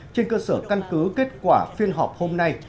trên cơ sở căn cứ kết quả phiên họp hôm nay